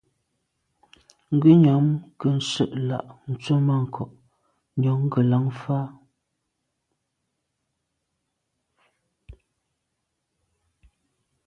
Ngùnyàm nke nse’ la’ tswemanko’ njon ngelan fa.